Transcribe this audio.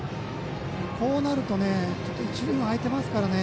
こうなると一塁も空いていますからね。